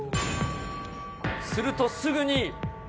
すると、すぐに。